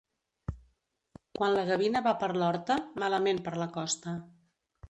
Quan la gavina va per l'horta, malament per la costa.